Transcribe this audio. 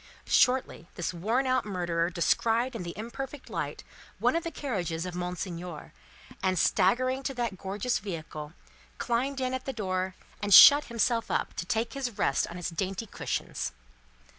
Shortly, this worn out murderer descried in the imperfect light one of the carriages of Monseigneur, and, staggering to that gorgeous vehicle, climbed in at the door, and shut himself up to take his rest on its dainty cushions.